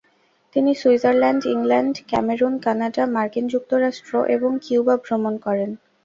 তিনি Switzerland, England, Cameroon, Canada, মার্কিন যুক্তরাষ্ট্র এবং কিউবা ভ্রমণ করেন।